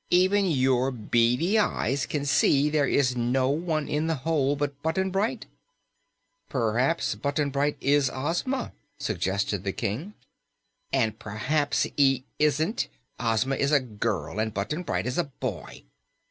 "Even your beady eyes can see there is no one in the hole but Button Bright." "Perhaps Button Bright is Ozma," suggested the King. "And perhaps he isn't! Ozma is a girl, and Button Bright is a boy."